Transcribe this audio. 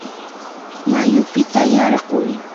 mayupita yarquy.